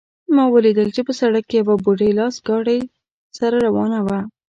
ما ولیدل چې په سړک کې یوه بوډۍ لاس ګاډۍ سره روانه وه